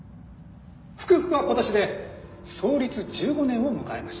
福々は今年で創立１５年を迎えました。